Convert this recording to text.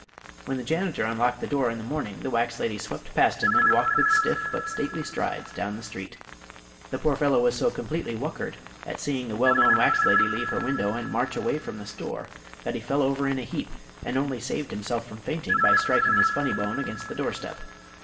When the janitor unlocked the door in the morning the wax lady swept past him and walked with stiff but stately strides down the street. The poor fellow was so completely whuckered at seeing the well known wax lady leave her window and march away from the store that he fell over in a heap and only saved himself from fainting by striking his funny bone against the doorstep.